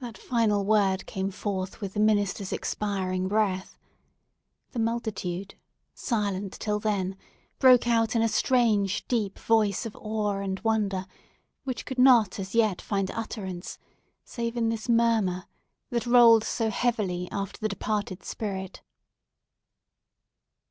That final word came forth with the minister's expiring breath. The multitude, silent till then, broke out in a strange, deep voice of awe and wonder, which could not as yet find utterance, save in this murmur that rolled so heavily after the departed spirit.